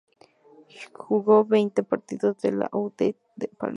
Jugó veinte partidos con la U. D. Las Palmas.